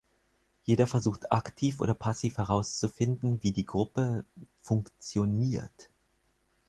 Jeder versucht aktiv oder passiv herauszufinden, wie die Gruppe "funktioniert".